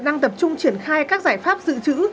đang tập trung triển khai các giải pháp dự trữ